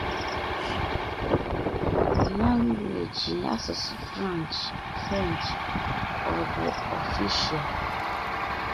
Its official language is French.